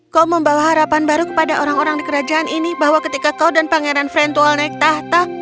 kau membawa harapan baru kepada orang orang di kerajaan ini bahwa ketika kau dan pangeran frentual naik tahta